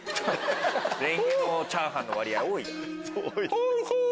れんげのチャーハンの割合多い。